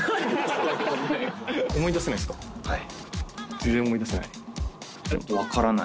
全然思い出せない？